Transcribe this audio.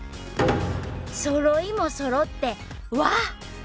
そろいもそろって和！